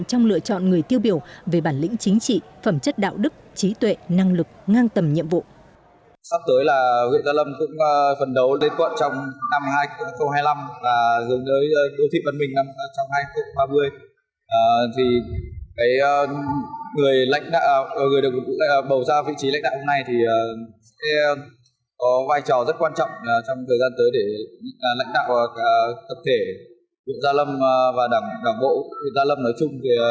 trong lựa chọn người tiêu biểu về bản lĩnh chính trị phẩm chất đạo đức trí tuệ năng lực ngang tầm nhiệm vụ